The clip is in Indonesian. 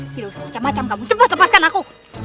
tidak usah macam macam kamu cepat lepaskan aku